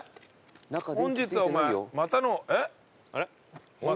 「本日はまたの」えっ？あれ？